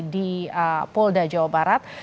di polda jawa barat